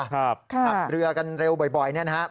ขับเรือกันเร็วบ่อยเนี่ยนะครับ